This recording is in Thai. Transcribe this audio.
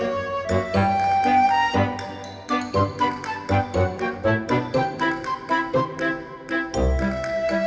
โอเคเท่าไรต่าง